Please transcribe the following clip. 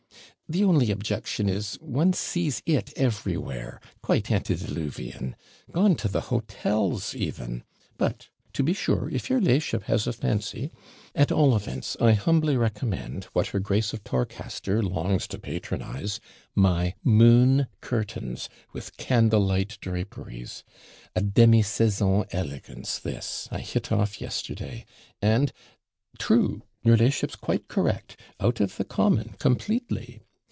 The only objection is, one sees it everywhere quite antediluvian gone to the hotels even; but, to be sure, if your la'ship has a fancy At all events, I humbly recommend, what her Grace of Torcaster longs to patronise, my MOON CURTAINS, with candlelight draperies. A demisaison elegance this I hit off yesterday and true, your la'ship's quite correct out of the common, completely.